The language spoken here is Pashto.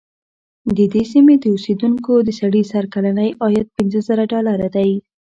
د دې سیمې د اوسېدونکو د سړي سر کلنی عاید پنځه زره ډالره دی.